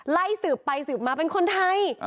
ไล่สืบไปสืบมาเป็นคนไทย